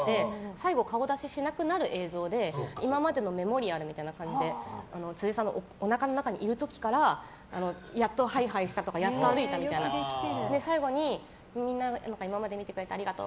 最後、顔出ししなくなる映像で今までのメモリアルみたいな感じで辻ちゃんのおなかの中にいる時からやっとハイハイしたとかやっと歩いたとか最後にみんな今まで見てくれてありがとう！